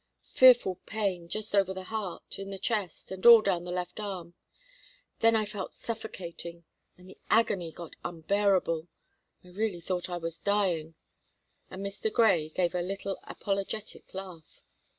"Fearful pain just over the heart, in the chest, and all down the left arm. Then I felt suffocating, and the agony got unbearable; I really thought I was dying." And Mr. Grey gave a little apologetic laugh.